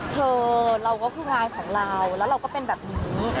เธอเราก็คืองานของเราแล้วเราก็เป็นแบบนี้